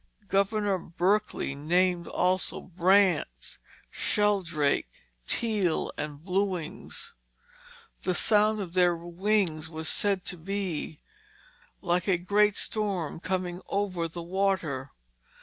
Governor Berkeley named also brant, shell drake, teal, and blewings. The sound of their wings was said to be "like a great storm coming over the water."